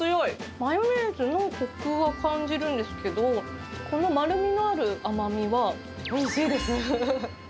マヨネーズのこくは感じるんですけど、この丸みのある甘みは、おいしいです。